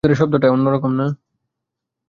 ভেতরের শব্দটা অন্যরকম না?